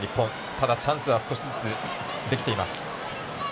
ただチャンスは少しずつできてきています。